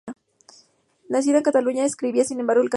Nacida en Cataluña, escribía sin embargo en castellano.